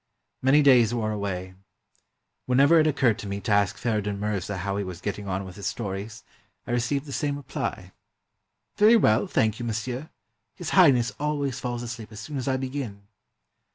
Many days wore away. Whenever it occurred to me to ask Feridun Mirza how he was getting on with his stories, I received the same reply — "Very well, thank you, monsieur. His Highness al ways falls asleep as soon as I begin."